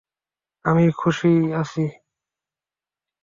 আমি খুশিই আছি।